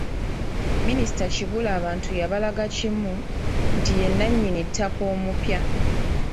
Minisita Kibuule abantu yabalaga kimu nti ye nnannyini ttaka omupya.